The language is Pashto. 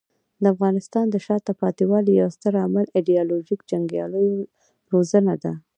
د افغانستان د شاته پاتې والي یو ستر عامل ایډیالوژیک جنګیالیو روزنه ده.